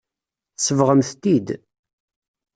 Tsebɣemt-t-id.